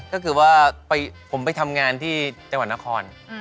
ก็คือว่าผมไปทำงานที่จังหวัดนคร